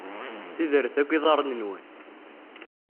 Ssidret akk iḍarren-nwen.